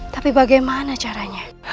tapi bagaimana caranya